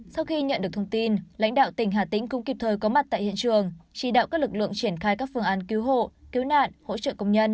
sau khi nhận được thông tin lãnh đạo tỉnh hà tĩnh cũng kịp thời có mặt tại hiện trường chỉ đạo các lực lượng triển khai các phương án cứu hộ cứu nạn hỗ trợ công nhân